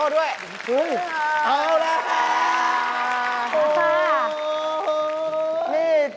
ได้เลย